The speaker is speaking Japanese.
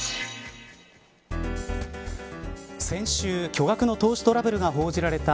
先週、巨額の投資トラブルが報じられた